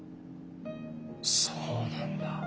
そうなんだ。